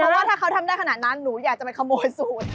เพราะว่าถ้าเขาทำได้ขนาดนั้นหนูอยากจะไปขโมยสูตร